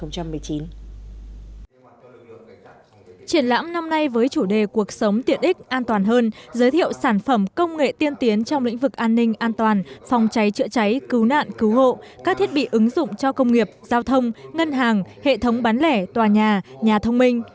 triển lãm năm nay với chủ đề cuộc sống tiện ích an toàn hơn giới thiệu sản phẩm công nghệ tiên tiến trong lĩnh vực an ninh an toàn phòng cháy chữa cháy cứu nạn cứu hộ các thiết bị ứng dụng cho công nghiệp giao thông ngân hàng hệ thống bán lẻ tòa nhà nhà thông minh